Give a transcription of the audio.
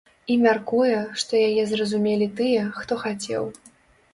І мяркуе, што яе зразумелі тыя, хто хацеў.